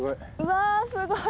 わあすごい。